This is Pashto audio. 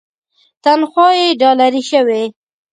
تنخوا یې ډالري شوې.